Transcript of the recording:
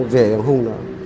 về hùng đó